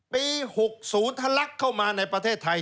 มี๖ศูนย์ทะลักษณ์เข้ามาในประเทศไทย